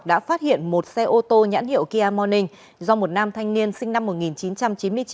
đã phát hiện một xe ô tô nhãn hiệu kia morning do một nam thanh niên sinh năm một nghìn chín trăm chín mươi chín